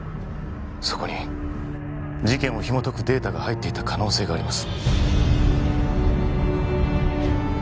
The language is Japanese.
そこに事件をひもとくデータが入っていた可能性があります